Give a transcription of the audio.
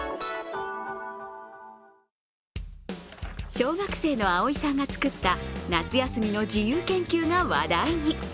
小学生のあおいさんが作った夏休みの自由研究が話題に。